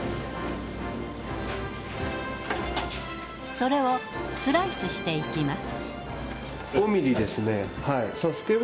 それをスライスしていきます。